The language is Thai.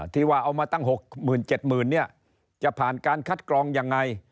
ที่ว่าเอามาตั้ง๖๗๐๐เนี่ยจะผ่านการคัดกรองยังไง